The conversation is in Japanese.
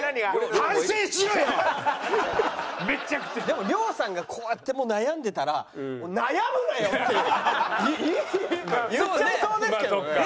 でも亮さんがこうやってもう悩んでたら悩むなよ！って言っちゃいそうですけどね。